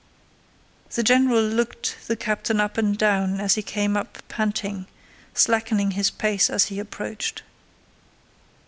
The general looked the captain up and down as he came up panting, slackening his pace as he approached.